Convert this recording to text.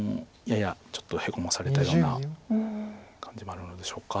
ややちょっとヘコまされたような感じもあるのでしょうか。